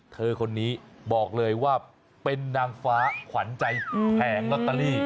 เธอคนนี้บอกเลยว่าเป็นนางฟ้าขวัญใจแผงลอตเตอรี่